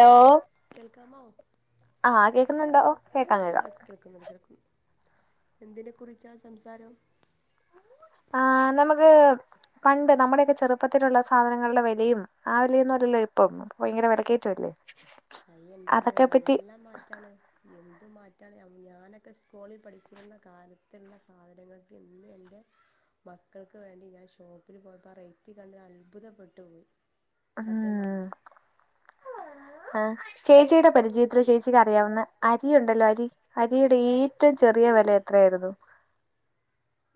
Hello കേൾക്കാമോ ആഹ് കേ ൾക്കുന്നുണ്ടോ ആ കേൾക്കുന്നുണ്ട് കേൾക്കുന്നുണ്ട് എന്തിനെ കുറിച്ചാ സംസാരം ആഹ് നമുക്ക് പണ്ട് നമ്മുടെയൊക്കെ ചെറുപ്പത്തിലുള്ള സാധനങ്ങളുടെ വിലയും ആ വിലയൊന്നുംമല്ലല്ലോ ഇപ്പം ഭയങ്കര വിലക്കേറ്റമല്ലേ അയ്യോ എന്റെമ്മെ നല്ല മാറ്റാണ് എന്ത് മാറ്റ ണ് ഞാനൊക്കെ സ്കൂളിൽ പഠിച്ചിരുന്ന കാലത്ത് ഇന്നുള്ള സാധനങ്ങൾക്ക് ഇന്ന് എൻ്റെ മക്കൾക്ക് വേണ്ടി ഞാൻ ഷോപ്പിൽ പോയപ്പോൾ ആ റേറ്റ് കണ്ട് അത്ഭുതപ്പെട്ടു പോയി സത്യം ഉം പറഞ്ഞാല് ആഹ് ചേച്ചിയുടെ പരിചയത്തിൽ ചേച്ചിക്ക് അറിയാവുന്ന അരി ഉണ്ടല്ലോ അരി അരിയുടെ അത് ഏറ്റവും ചെറിയ വെല എത്രയായിരുന്നു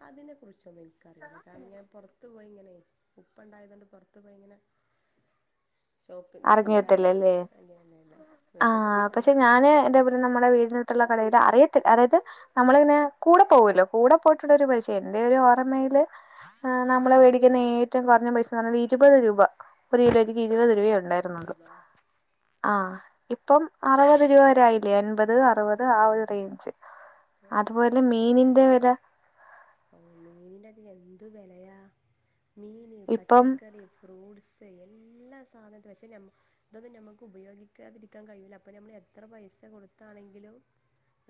അതിനെ കുറിച്ച് ചൊന്നും ഇൻകറീല്ലട്ടാ ഞാൻ പൊർത്തു പോയിങ്ങനെ ഉപ്പ ഉണ്ടായതൊണ്ട് പുറത്ത് പോയി ഇങ്ങനെ ഷോപ്പിൽ നിന്ന് ചെയ്യാറില്ല അറിഞ്ഞിട്ടില്ലല്ലേ അങ്ങനെയല്ല വീട്ടിൽ നിന്ന് തന്നെ ആഹ് പക്ഷെ ഞാന് കൊണ്ടുവരുന്നത് എന്താ പറയാ നമ്മുടെ വീടിനടുത്തുള്ള കടേല് അറിയത്തി അതായത് നമ്മളിങ്ങനെ കൂടെ പോകുല്ലോ കൂടെ പോയിട്ടുള്ള ഒരു പരിചയം എന്റെ ഒരു ഓർമ്മയിൽ നമ്മള് മേടിക്കുന്ന ഏറ്റവും കുറഞ്ഞ പൈസന്ന് ഇരുപത് രൂപ ഒരു കിലോക്ക് ഇരുപത് രൂപ ഇരുപത് ഉണ്ടായിരുന്നുള്ളൂ രൂപ ആഹ്. ഇപ്പം അറുപത് രൂപ വരെ ആയില്ലേ അൻപത് അറുപത് ആ ഒരു റേഞ്ച്. ആ അതുപോലെ മീനിന്റെ വില. ഓ മീനിനൊക്കെ എന്ത് വിലയാ. മീന് ഇപ്പം പച്ചക്കറി ഫ്രൂട് സ് എല്ലാ സാധന പക്ഷെ ഇതൊന്നും നമ്മുക്ക് ഉപയോഗിക്കാതിരിക്കാൻ കഴിയില്ല അപ്പൊ നമ്മൾ എത്ര പൈസ കൊടുത്താണെങ്കിലും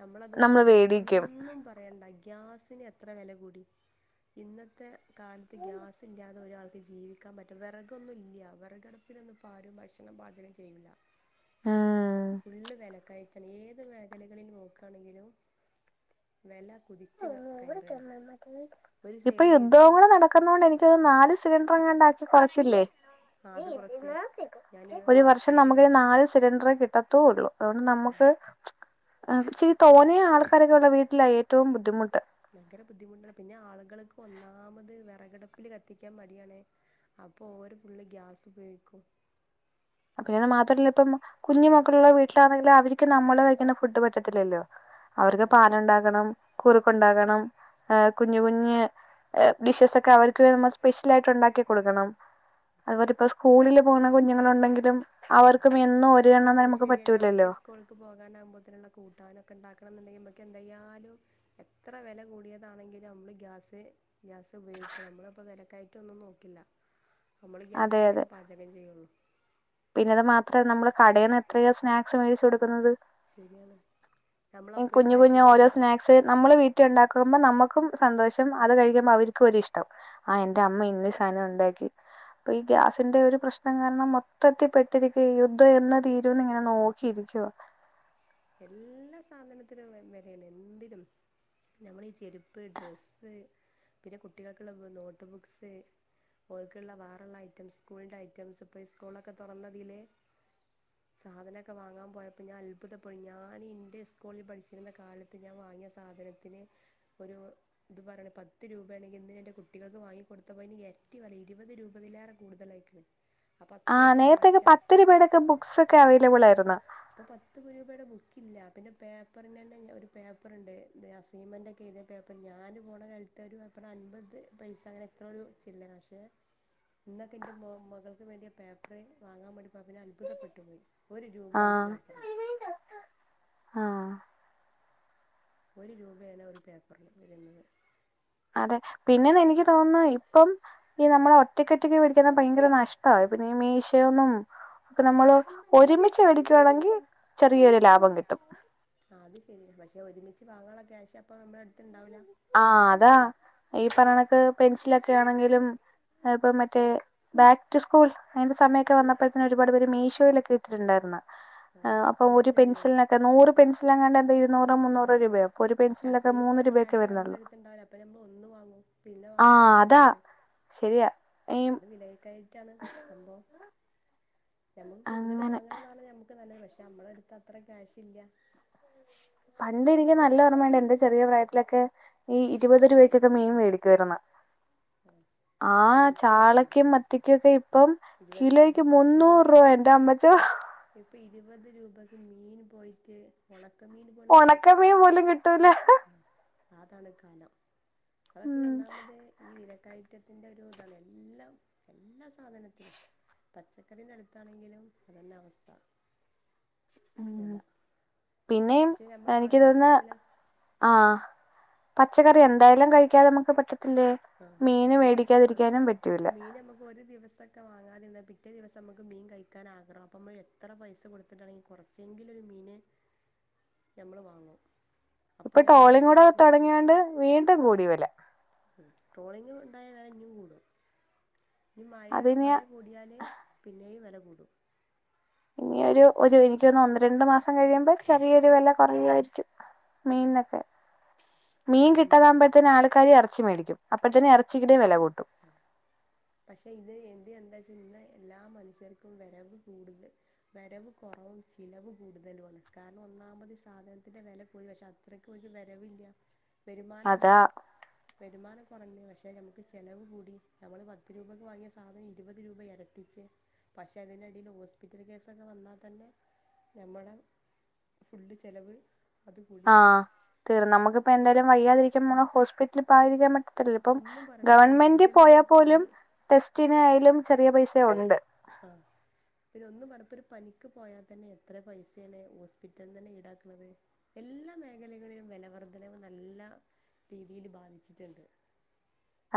നമ്മളത് നമ്മള് വാങ്ങും വേടിക്കും ഒന്നും പറയണ്ട. ഗ്യാസിന് എത്ര വില കൂടി. ഇന്നത്തെ കാലത്ത് ഗ്യാസ് ഇല്ലാതെ ഒരാൾ ജീവിക്കാൻ പറ്റോ വിറകൊന്നും ഇല്ല വിറകടപ്പിലൊന്നും ഇപ്പം ആരും ഭക്ഷണം പാചകം ചെയ്യില്ല. ഉം ഫുള്ള് വിലക്കയ ഏത് മേഖലകളിൽ നോക്കാണെങ്കിലും വില കുതിച്ച് ക ഇപ്പൊ സൈഡിൽ യുദ്ധവും യുദ്ധം കൂടെ നടക്കുന്നോണ്ട് എനിക്ക് നാല് സിലിണ്ടർ എങ്ങാണ്ട് ആക്കി കുറച്ച്ല്ലേ. ആ അത് കുറച്ച് ഞാന് ഒരു വർഷം വാർത്തയിൽ നമുക്ക് ഇനി കണ്ട് നാല് സിലിണ്ടർ കി ട്ടത്തു ഉള്ളു. അതുകൊണ്ട് നമ്മക്ക് ആഹ് ചെയ് തോനെ ആൾക്കാരൊക്കെ ഉള്ള വീട്ടിലായി. റ്റവും ബുദ്ധിമുട്ട്. ഭയങ്കര ബുദ്ധിമുട്ടാണ് പിന്നെ ആളുകൾക്ക് ഒന്നാമത് വിറകടപ്പില് കത്തിക്കാൻ മടിയണേ അപ്പൊ ഓല് ഫുള്ള് ഗ്യാസ് ഉപയോഗിക്കും. പിന്നെത് മാത്രല്ല ഇപ്പം കുഞ്ഞുമ മകളുള്ള വീട്ടിലാണെങ്കിൽ അവർക്ക് നമ്മള് കഴിക്കുന്ന ഫുഡ് പറ്റത്തില്ലല്ലോ? അവർക്ക് അത് പാൽ ശരി ഉണ്ടക്കണം കുറുക്ക് ഉണ്ടകണം. ഹ് കുഞ്ഞു കുഞ്ഞു ഡിഷസ് ഒക്കെ അവർക്ക് നമ്മ സ്പെഷ്യൽ ആയിട്ട് ഉണ്ടാക്കി കൊടുക്കണം. അതുപോലെ ഇപ്പോ സ്കൂളില് പോകണ കുഞ്ഞുങ്ങളൾ ഉണ്ടെങ്കിൽ പ്പും ഉ അത് ശരിയന്നെ പറ്റൂലല്ലോ അവർക്ക് സ്കൂൾക്ക് പോകാനാകുമ്പോത്തനുള്ള കൂട്ടാനൊക്കെ ഉണ്ടാക്കണം എന്നുണ്ടങ്കിൽ എന്തായാലും എത്ര വില കൂടിയതാണെങ്കും നമ്മള് ഗ്യാസ് ഗ്യാസ് ഉപയോഗിക്കൂ നമ്മളിപ്പ വിലക്കായി [unintelligible] നോക്കില്ല നമ്മൾ അതെ ഗ്യാസ്മേലെ പാചകം ചെയ്യുള്ളൂ. ത് മാത്രേമനമ്മൾ കടയിൽന്ന് എത്രയോ സ്നാക്സ് മേടിച്ചു കൊടുക്കുന്നത് ശരിയാണ് നമ്മളപ്പോഴും കുഞ്ഞു കാശ് കുഞ്ഞു ഓരോ നോക്കൂല സ്നാക്സ് നമ്മള് വീട്ടിൽ ട്ട്‌ല് ഉണ്ടാക്കുമ്പോ നമ്മുക്കും സന്തോഷം അത് കഴിക്കുമ്പോ അവർക്കും ഒരു ഇഷ്ടം ആഹ് എന്റെ അമ്മ ഇന്ന് സാധനം ഉണ്ടാക്കി അപ്പൊ ഈ ഗ്യാസിന്റെ ഒരു പ്രശ്നം കാരണം ത്തിൽപ്പെട്ടിരിക്ക യുദ്ധം എന്ന തീരുന്ന് ഇങ്ങനെ നോക്കിയിരിക്കുക. എല്ലാ സാധനത്തിനും വെലയാണ്. എന്തിനും നമ്മളീ ഈ ചെരുപ്പ് ഡ്രെസ്സ് പിന്നെ കുട്ടികൾക്കുള്ള നോട്ട് ബുക്സ് ഓൾക്കുള്ള വേറെയുള്ള ഐറ്റംസ് സ്കൂളിന്റെ ഐറ്റംസ് ഇപ്പൊ സ്കൂളൊക്കെ തുറന്നതിലല് സാധനക്കെ വാങ്ങാൻ പോയപ്പോ ഞാൻ അത്ഭുതപ്പെ അപ്പോൾ ഞാനിൻ്റെ സ്കൂളിൽ പഠിച്ചിരുന്ന കാലത്ത് ഞാൻ വാങ്ങിയ സാധനത്തിന് ഒരു ഇത് പറയാണ് പത്ത് രൂപയാണെങ്കിൽ ഇന്ന്ൻ്റെ കുട്ടികൾക്ക് വാങ്ങിക്കൊടുത്തപ്പോൾ അയ്ന് എരട്ടി വെലയ ഇരുപത് രൂപ ലെറെ കൂടുതലായിരിക്കുന്നു. ആഹ് നേരത്തേക്കെ പത്ത് രൂപേയുടെക്കെ ബുക്സ് ഒക്കെ അവൈലബിൾ ആയിരുന്നു അപ്പൊ പത്ത് രൂപയുടെ ബുക്കില്ല. പിന്നെ പേപ്പറിനന്നെ ഒരു പേപ്പർണ്ട് അസൈൻമെന്റ് ഒക്കെ എയ്ത പേപ്പർ ഞാന് പോണ കാലത്ത് ഒരു പേപ്പറിന് അൻപത് പൈസ അങ്ങനെ എത്രയൊ രു ചില്ലറെ പക്ഷെ ഇന്നൊക്കെ എന്റെ മോ മകൾക്ക് വേണ്ടിയ പേപ്പറ് വാങ്ങാൻ വേണ്ടി പോയപ്പെ അത്ഭുതപ്പെട്ടു പോയി. ഒരു രൂപ ആ ഒരു അഹ് ആഹ് ഒരു രൂപയാണ് ഒരു പേപ്പറിന് വരുന്നത്. അതെ പിന്നെന്ന് എനിക്ക് തോന്നുന്നു ഇപ്പം ഈ നമ്മള ഒറ്റക്കറ്റക്ക് വേടിക്കുന്നത് ഭയങ്കര നഷ്ട്ട പിന്നെ ഈ മീഷോയൊന്നും ഒക്കെ നമ്മള് ഒരുമിച്ച് മേടിക്കവായാണെങ്കിൽ ചെറിയൊരു ലാഭം കിട്ടും. അത് ശരിയാ പക്ഷെ ഒരുമിച്ച് വാങ്ങള ക്യാഷ് അപ്പൊ നമ്മടെ അടുത്തിണ്ടാവില്ല. ആ അതാ ഈ പറണക്ക് പെൻസിലൊക്കെ ആണെങ്കിലും ഇപ്പം മറ്റേ ബാക്ക് ടു സ്കൂൾ അതിന്റെ സമയൊക്കെ വന്നപ്പോഴത്തന് ഒരുപാട് പേര് മീഷോയിലൊക്കെ ഇട്ടിട്ടുണ്ടായിരുന്നേ. ആ അപ്പൊ ഒരു കണ്ടിട്ടുണ്ട് ഞാൻ പെൻസിലിനൊക്കെ നൂറ് പെൻസൽ അങ്ങാണ്ട് എ ഇരുന്നൂറ് മുന്നൂറ് രൂപയ ഒരു പെൻസിൽനൊക്കെ മൂന്ന് രൂപ് നമ്മളെട്ത്ണ്ടാവൂല അപ്പൊ നമ്മൾ ഒന്ന് വാങ്ങും പിന്ന വാങ്ങാ ആഹ് അതാ വിചാരിച്ചിട്ട് ശരിയാ ഈ അത് വില [unintelligible] ണ് സംഭവം ഞമ്മക്ക് കൂടുതൽ അങ്ങനെ വാങ്ങണതാണ് ഞമ്മക്ക് നല്ലെ പക്ഷെ നമ്മലട്ത് അത്ര ക്യാശില്ല. പണ്ട് എനിക്ക് നല്ല ഓർമ്മ ഒണ്ടാര്ന്ന് എന്റെ ചെറിയ പ്രായത്തിലൊക്കെ ഈ ഇരുപത് രൂപക്കൊക്കെ മീൻ മേടിക്കുവാര്ന്ന്. ആ അത് എനിക്ക് ഓർമ്മയുണ്ട് ചാളക്കും മത്തിക്കൊക്കെ ഇപ്പം ഇരുപത് രൂപ കിലോയ്ക്ക് പത്ത് രൂപ മുന്നൂറുവ എൻ്റെമ്മച്ചോ. മീന് പോയിറ്റ് ഒണ ഒണക്കമീൻ പോലും കിട്ടൂല ഹ്ആ. ആതാണ് കാലം. അതക്കെ ഉം ഒന്നാമത് ഈ വില കയറ്റത്തിന്റെ ഒരു ഇതാണ് എല്ലാം എല്ലാ സാധനത്തിനും പച്ചക്കറീന്റെ അടുത്താണെങ്കിലും അതന്നെ അവസ്ഥ ഉം വെല പിന്നെയും എനിക്ക് തോന്നുന്ന് ആഹ് പച്ചക്കറി എന്തായാലും കഴിക്കാതെ നമുക്ക് പറ്റ ത്‌ല്ലെ ആ മീന് അതില്ല വേടിക്കാതിരിക്കാനും പറ്റൂല്ല ക്കെ വാങ്ങാതിന്നാ പിറ്റേ ദിവസം മ്മക്ക് മീൻ കഴിക്കാൻ ആഗ്രഹം അപ്പ മ്മല് എത്ര പൈസ കൊടുത്തിട്ടാണെങ്കിലും കൊറച്ചെങ്കിലൊരു മീന് ഞമ്മള് വാങ്ങും ഇപ്പ അപ്പോൾ നമ്മൾ വില ടോളിങ്ങോടെ നോക്കില്ല തൊടങ്ങിയോണ്ട് വീണ്ടും കൂടി വെല ടോളിങ് ഉണ്ടായ വെല ഇഞ്ഞും കൂടും ഞ് മഴ അതിനി മഴ കൂടിയാല് പിന്നേയും വെല കു കൂടും ഇനി ഒരു ഒര് ഇൻക്കോന്നു ഒന്ന് രണ്ടു മാസം കഴിയുമ്പ ചെറിയൊരു വെല കൊർഞായിരിക്കും മീൻന്നൊക്കെ മീൻ എല്ലാ സാ കിട്ടാതാകുമ്പോഴത്തേന് ആള്ക്കാര് എറ ച്ച് മേടിക്കും അപ്പഴ്ത്തന്നെ എറച്ചിക്കിടെ വെല കൂ പക്ഷേ ഇത് എൻ്റെ എന്താച്ച് ഇന്നാ എല്ലാ മനുഷ്യർക്കും വെരവ് കൂടുതൽ വരവ് കൊറവും ചിലവ് കൂടുതലും ആണ്. കാരണം ഒന്നാമത് സാധനത്തിൻ്റെ വെല പോയ് വശം അത്രക്കൊര് വരവില്ല വരുമാനം ഇല്ല അതാ വരുമാനം കൊറഞ്ഞ് പക്ഷെ ഞമ്മ്ക്ക് ചെലവ് കൂടി ഞമ്മള് പത്ത് രൂപയ്ക്ക് വാങ്ങിയ സാധനം ഇരുപത് രൂപ എരട്ടിച്ച് പക്ഷേ അതിനെടേല് ഹോസ്പിറ്റൽ കേസക്ക വന്നാ തന്നെ ഞമ്മള ഫുള്ള് ചെലവ് ആഹ് തീർന്നമ്മ്ക്ക് അപ്പ എന്താലും വയ്യാതിരിക്കുമൊങ ഹോസ്പിറ്റല് പോവാതിരിക്കാൻ മ അപ്പോൾ തൽപ്പം ഒന്നും പറയണ്ട ഒരു ഗവൺമെന്റ് ഹോസ്പിറ്റലിൽ പോയാ ഒരു പോലും പനി ടെസ്റ്റിനായാലും ചെറിയ പൈസ ഒണ്ട് ആ പിന്നെ ഒന്ന് പലപ്പൊരു പനിക്ക് പോയാൽ തന്നെ എത്ര പൈസേണ് ഹോസ്പിറ്റല് തന്നെ ഈടാക്കണത്. എല്ലാ മേഖലകളിലും വെലവർധനവ് നല്ല രീതിയില് ബാധിച്ചിട്ട്ണ്ട്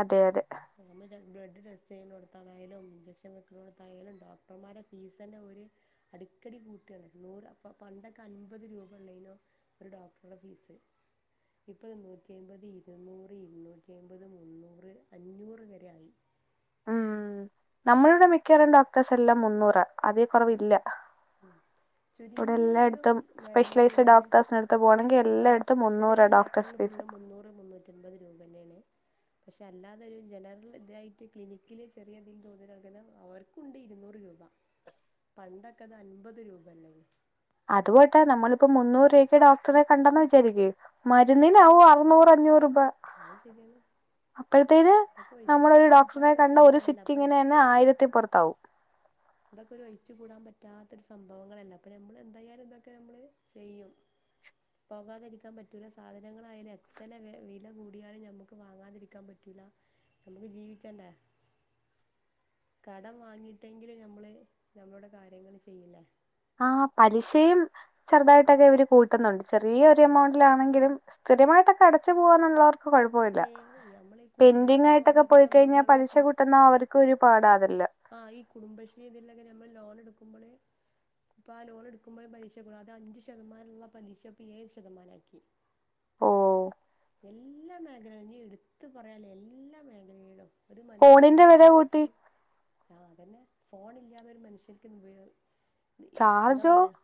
അതെ അതെ നമ്മ്ട ബ്ലഡ് ടെസ്റ്റ് ചെയ്യ്ണോടുത്തായാലും ഇഞ്ചെക്ഷൻ വെക്ക്ണോടുത്തായാലും ഡോക്ടർമാരെ ഫീസന്നെ ഒരു അടിക്കടി കൂട്ടാണ് നൂറ് അപ്പപ്പ പണ്ടൊക്കെ അൻപത് രൂപ ഉള്ളയ്നോ ഒരു ഡോക്ടറ്ടെ ഫീസ് ഇപ്പത് നൂറ്റി അമ്പത്, ഇരുന്നൂറ്, ഇരുന്നൂറ്റി അമ്പത്, മുന്നൂറ് അഞ്ഞൂറ് വരെ ആയി ഉം നമ്മളുടെ മിക്കവാറും ഡോക്ടേഴ്സ് എല്ലാം മുന്നൂറാ അതിൽ ആഹ് കുറവില്ല മ് ഇവിടെ ചുരുങ്ങിയ ഒരു എല്ലായിടത്തും സ്പെഷ്യലൈസ്ഡ് മേഖലകളിലുള്ളവര് ഡോക്ടേഴ്സിന് അടുത്ത് പോകണമെങ്കിൽ ആ എല്ലായിടത്തും മുന്നൂറാ സ്പെഷ്യലൈസ് ഡോക്ടേഴ്സ് ഡോക്ടറിന് ഫീസ് ഫുള്ളും മുന്നൂറ് മുന്നൂറ്റൻപത് രൂപന്ന ആണ് പക്ഷെ അല്ലാതൊരു ജനറൽ ഇതായിട്ട് ക്ലിനിക്കില് ചെറിയ എന്തെ [unintelligible] അവർക്കുണ്ട് ഇരുന്നൂറ് രൂപ പണ്ടക്ക അത് അൻപത് രൂപ അല്ലേര്ന്നാ അത് പോട്ടെ നമ്മളിപ്പം മുന്നൂറുരേക്ക് ഡോക്ടറെ കണ്ടെന്ന് വിചാരിക്ക് മരുന്നിനാവും അറുന്നൂറ് അഞ്ഞൂറും അപ്പ അത് ശരിയാണ് അപ്പോഴത്തേന് ഇതൊക്കെ ഒഴിച്ചു നമ്മളൊരു കൂടാൻ ഡോക്ടറിനെ പറ്റാത്തൊരു കണ്ട ഒരു സംഭവല്ല അപ്പൊ സിറ്റിങ്ങിന് അന്നെ ആയിരത്തിപ്പൊറത്താവും ഇതൊക്കെ ഒരു ഒഴിച്ചു കൂടാൻ പറ്റാതൊരു സംഭവങ്ങളല്ല അപ്പൊ ഞമ്മൾ എന്തായാലും ഇതൊക്കെ നമ്മള് ചെയ്യും പോകാതിരിക്കാൻ പറ്റൂല സാധനങ്ങളിയാലും എത്തന വില കൂടിയാലും ഞമ്മക്ക് വാങ്ങാതിരിക്കാൻ പറ്റൂല നമ്മുക്ക് ജീവിക്കണ്ടേ കടം വാങ്ങിട്ടെങ്കിലും ഞമ്മള് ഞമ്മടെ കാര്യങ്ങള് ചെയ്യില്ലേ ആഹ് പലിശയും ചെറുതായിട്ടൊക്കെ ഇവരു കൂട്ടുന്നുണ്ട് ചെറിയ ഒരു എമൗണ്ടിലാണെങ്കിലും സ്ഥിരമായിട്ടൊക്കെ അടച്ചു പോവാനുള്ളവർ ഏയ്യ് നമ്മളീ കുടുംബശ്രീ ആയിട്ടൊക്കെ പോരാത്ത പോയി കഴിഞ്ഞാൽ പലിശ സംഭവങ്ങളിലൊക്കെ കൂട്ടുന്ന അവർക്ക് ഒരു പാടാ ആഹ് അതെല്ലാം ആഹ് ഈ കുടുംബശ്രീ ഇതിലൊക്കെ നമ്മൾ ലോൺ എടുക്കുമ്പള് ഇപ്പ ആ ലോണെടുക്കുമ്പ പലിശ കൂടും അഞ്ച് ശതമാനള്ള പലിശ ഇപ്പ ഏഴ് ശതമാനാക്കി ഓഹ് എല്ലാ മേഖലക ഇനി എടുത്ത് പറയാല്ലാ എല്ലാ മേഖലടും ഒരു ഫോണിന്റെ മനുഷ്യന്റെ വില കൂട്ടി ജീവിതത്തിന് ആഹ് അതന്നെ ഫോൺ ഇല്ലാതൊരു മനുഷ്യക്ക്ന്ന് ഉപയോ എന്താ ചാർജോ പറയാ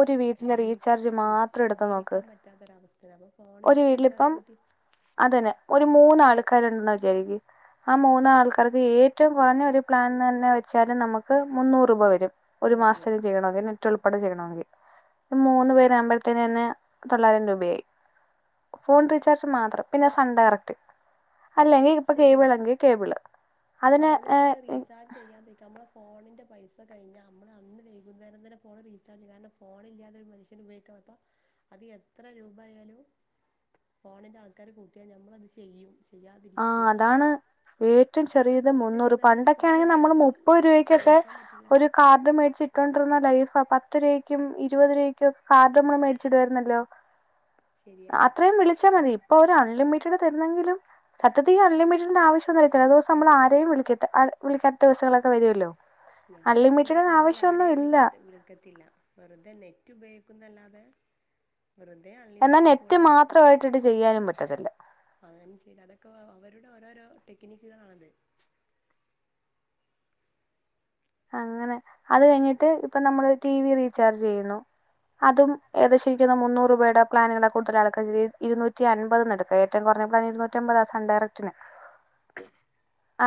ഒരു വീട്ടിലെ ജീവിക്ക റീചാർജ് ഉം മാത്രം എടുത്ത് ജീവിക്കാൻ പറ്റാത്തൊരവസ്ഥ അപ്പ ഫോണിന്റെ റീ ഇപ്പം അതന്നെ ഒര് മൂന്നാള് മൂന്ന് ആൾക്കാർ ഉണ്ടുന് വിചാരിക്ക് ആ മൂനാൾക്കാർക്ക് ഏറ്റവും കുറഞ്ഞ ഒരു പ്ലാൻ തന്നെ വെച്ചാൽ നമുക്ക് മുന്നൂറ് രൂപ വരും [unintelligible] ചെയ്യണം അതന്ന ഏറ്റവും എളു [unintelligible] ചെയ്യണോങ്കി അത് മൂന്ന് പേര് ശരിയാ ആവുമ്പോഴത്തേനു തന്നെ തൊള്ളായിരം രൂപയായി ഫോൺ റീചാർജ് മാത്രം പിന്നെ സൺഡയറക്റ്റ് അല്ലെങ്കിൽ ഇപ്പൊ ശരിയാണ് കേബിളെങ്കി കേബിള് അതിനെ ഫോണിൽ നമ്മൾ റീചാർജ് ചെയ്യാതിരിക്കുക നമ്മളെ ഫോണിൻ്റെ പൈസ കഴിഞ്ഞാ അമ്മള് അന്ന് വൈകുന്നേരം തന്നെ ഫോൺ റീചാർജ് കാരണം ഫോണില്ലാത്തൊരു മനുഷ്യൻ അപ്പോ അത് എത്ര രൂപായാലും ഫോണിൻ്റെ ആൾക്കാര് കൂട്ടിയാൽ നമ്മളത് ചെയ്യും ചെയ്യാ ആ അതാണ് ഏറ്റവും കാരണം ചെറിയത് ഫോണിന് മുന്നൂറ് ഡിമാൻഡ് പണ്ടൊക്കെ ആണെങ്കി നമ്മള് ഫോണില്ലാതെ മുപ്പത് രൂപയ്ക്കൊക്കെ ജീവിക്കാൻ പറ്റില്ല ഒരു കാർഡ് മേടിച്ചിട്ടോണ്ടിരുന്ന ലൈഫ് - പത്ത് രൂയക്കും ഇരുപത് രൂയക്കും കാർട് അമ്മള് മേടിച്ചിടുമായിരുന്നല്ലോ ശരിയാണ് അത്രയും വിളിച്ചാ മതി ഇപ്പൊ ഒരു അൺലിമിറ്റ് തരുന്നെങ്കിലും സത്യത്തി ഈ അൺലിമിറ്റഡിന്റെ ആവശ്യം വരുത്തില്ല ഒര് ദിവസം ആരെയും വിളിക്കാത്ത ദിവസങ്ങളൊക്കെ വരുവല്ലോ ഞാനൻ നിന്റെ ഫോണിൽ ആരെയും ഇല്ല വിളിക്കത്തില്ല വെറുതെ നെറ്റ് ഉപയോ പിന്നെന്നല്ലാതെ വെറുതെ എന്നാൽ അൺലിമിറ്റഡ് കാൾ നെറ്റ് പക്ഷെ മാത്രമായിട്ടിട്ട് ചെയ്യാനും പറ്റത്തില്ല അതൊക്കെ അവ അവിടെ ഓരോരോ ടെക്നിക്കുകളാണത് അങ്ങനെ അത് കഴിഞ്ഞിട്ട് ഇപ്പൊ നമ്മള് ടി വി റീചാർജ് ചെയ്യുന്നു അതും ഏകദേശം എനിക്ക് തോന്നുന്ന് മുന്നൂറ് രൂപേടെ പ്ലാനുകളെ കൂടുതൽ ആൾക്കാ ഇരുന്നൂറ്റി അമ്പത്ന്ന് എടുക്ക ഏറ്റവും കുറഞ്ഞ പ്ലാന് ഇരുന്നൂറ്റി അമ്പത സൺഡയറക്റ്റ്ന്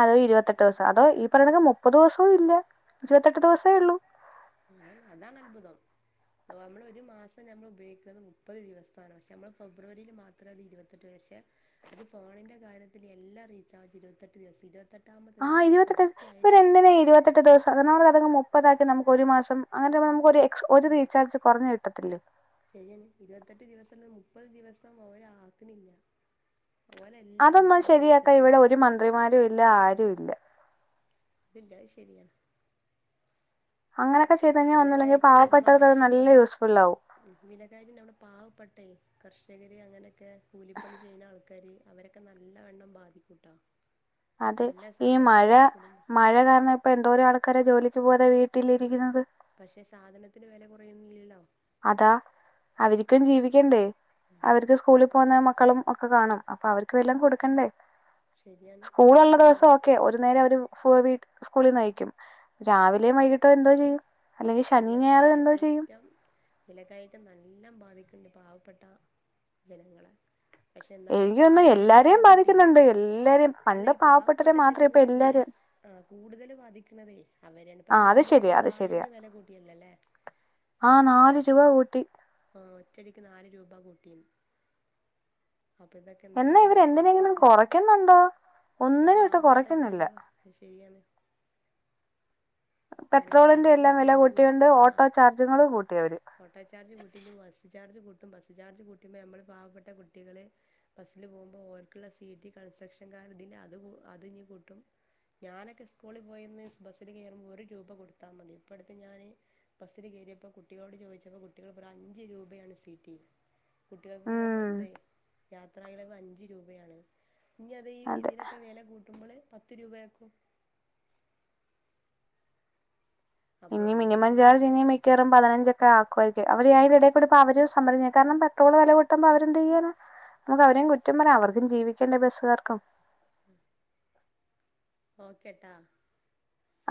അതോ ഇരുപത്തെട്ട് ദിവസം അതോ ഈ പറഞ്ഞ കണക്ക് മുപ്പത് ദിവസവും ഇല്ല ഇരുപത്തെട്ട് ദിവസേ- അതാണ് അത്ഭുതം നമ്മള് ഒരു മാസം നമ്മൾ ഉപയോഗിക്കുന്നത് മുപ്പത് ദിവസവാണ് പക്ഷെ നമ്മള് ഫെബ്രുവരിയിൽ മാത്ര അത് ഇരുപത്തെട്ട് പക്ഷെ അത് ഫോണിന്റെ കാര്യത്തിൽ എല്ലാം റീചാർജും ഇരുപത്തെട്ട് ദിവസ ഇരുപത്തെ ആഹ് ഇരുപത്തെട്ട് ഇവരെന്തിനാ ഈ ഇരുപത്തെട്ട് ദിവസം [unintelligible] മുപ്പതാക്ക നമക്ക് ഒരു മാസം അങ്ങനെ നമുക്ക് ഒര് ഒരു ആഹ് റീചാർജ് കൊറഞ്ഞു കിട്ടത്തില്ലേ പത്തെട്ട് ദിവസം അല്ല മുപ്പത് ദിവസം ഓരാക്കണില്ല ഓലെല്ലാം അതൊന്നും റീചാർജ് ശരിയാക്കാൻ ഇരുപത്തെട്ട് ഇവിടെ ഒരു മന്ത്രിമാരും ഇല്ല ആരും - ല്ല അതില്ലായി ശരിയാണ് [inaudible] അങ്ങനെയൊക്കെ ചെയ്ത് കഴിഞ്ഞാൽ ഒന്നുമില്ലെങ്കിൽ വിലകയറ്റാ നമ്മളെ പാവപ്പെട്ടവർക്ക് അത് നല്ല മനുഷ്യന്മാരെ യൂസ്ഫുൾ ആവും വിലകയറ്റ് നമ്മുടെ പാവപ്പെെട്ടേ [inaudible] കർഷകര് അങ്ങനെയൊക്കെ കൂലിപ്പണി ചെയ്യുന്ന ആൾക്കാാര് അവരൊക്കെ നല്ലവണ്ണം ബാധിക്കൂട്ടാ അതെ ഈ മഴ മഴ കാരണം ഇപ്പ എന്തോര ആൾക്കാരെ ജോലി ഇപ്പോോെ ആ പക്ഷെ സാധനത്തിന് വേില പ്രേമ ഇല്ലോ അതാ അവരിക്കും ജീവിക്കണ്ടേ അവർക്ക് സ്കൂള പോകുന്ന മക്കളും ഒക്കെ കാണും അപ്പോൾ അവർക്ക് വല്ലം കൊടുക്കണ്ടേ ശരിയാണ് സ്കൂൾ ഉള്ള ദിവസം അതാണ് ഒക്കെ ഒരു നേരം അവര് സ്കൂളിൽ ആയിക്കും രാവിലെയും വൈകിട്ടോ എന്തോ ചെയ്യും അല്ലെങ്കിൽ ശനി ശരിയാണ് ഞായർ എന്തോ ചെയ്യും വിലക്കയറ്റം വിലക്കയറ്റം നല്ല ബാധിക്കണ്ട് പാവപ്പെട്ട ജനങ്ങള്െ പക്ഷെ എന്നാ ഇപ്പ എനിക്ക് തോന്നുന്നു പാലിിന തന്നെ വില എല്ലാവരെയും കൂട്ടിയില്ലേ ബാധിക്കുന്നുണ്ട് എല്ലാവരെയും അല്ല പണ്ട് ഈ പാവപ്പെട്ടവരെ പാവപ്പെട്ട മാത്രം ജനങ്ങള ഇപ്പം കൂ എല്ലാവരും ആ കൂടുതൽ ബാധിക്കണതേ അവരാണ്ിപ്പ മിൽമക്ക് പാലിന്റെ വില കൂട്ടി ആഹ നാല് രൂപ കുട്ടി ഒച്ചടിക്ക് നാല് രൂപ കൂട്ടിന്ന് അപ്പൊ ഇതൊക്കെ എന്താണ് എന്നാ ഇവർ നമ്മള് എന്തിനെങ്കിലും പാവപ്പെട്ട കുറയ്ക്കുന്നുണ്ടോ നമ്മള് ഒന്നിനും ഇട്ട് പാവപ്പെട്ട കുറയ്ക്കുന്നില്ല ജനങ്ങൾ അത് ശരിയാണ് പെട്രോളിന്റെ വിലക്കയറ്റ എല്ലാം മതി വില യൂ് കൂട്ടിയോണ്ട് ആഹ ഓട്ടോ ചാർജുകളും കൂട്ടി അവര് ഓട്ടോ ചാർജ് കൂട്ടി ബസ് ചാർജ് കൂട്ടി കട്ടും ബസ് ചാർജ് കൂട്ടുമ്പോ നമ്മള് പാവപ്പെട്ട കുട്ടികള് ബസ്സിൽ പോകുമ്പോൾഓർക്കുള്ള സീറ്റ് കൺസ്ട്രക്ഷൻ കാർ ഇതി അത് അത് കൂട്ടും ഞാനൊക്കെ സ്കൂളിൽ പോയന്ന് ബസ്സിൽ കേയറ്പോൾ ഒരു രൂ കൊടുത്താൽ മതി ഇപ്പോ അടുത്ത് ഞൻ ബസിൽ കയറിയപ്പോൾ കുട്ടികളോട് ചോദിച്ചപ്പോൾ കുട്ടികൾ അഞ്ച് രൂപയാണ് സീറ്റ കുട്ടികൾക്ക് ഉം അ യാത്രകള അഞ്ച് രൂപയാണ് ഇനി അത് ഈ അതെ ഇതിനൊക്കെ വില കൂട്ട ള പ രൂപയാക്കും അപ്പോൾ ഇനി മിനിമം എല്ലാ ചാർ ഇനി കാര്യത്തിലും മിക്കവാറും പതിനഞ്ചൊക്കെ ആക്കുമായിരിക്കട്ടും അവര് അതി ഇടക്കൂടുപ്പ അവര് സംമ്മര കാരണം പെട്രോള് വില കൂട്ടുമ്പോൊ അവരെന്ത്തു ചെയ്യാന നമുക്ക് അവരെയും കുറ്റം പറ അവർക്കും ജീവിക്കേണ്ടേ ബസ്സുകാർക്കും ക്കെട്ട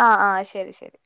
ആഹ ആഹ ശരി ശരി